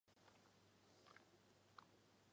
桃儿七属是小檗科下的一个属。